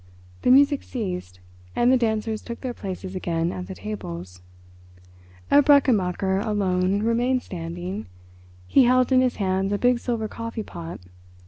The music ceased, and the dancers took their places again at the tables. Herr Brechenmacher alone remained standing—he held in his hands a big silver coffee pot.